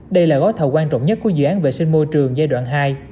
đây là gói thầu quan trọng nhất của dự án vệ sinh môi trường giai đoạn hai